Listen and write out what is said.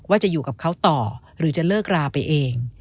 ว่าจะอยู่กับเขาต่อหรือจะเลิกราไปเอง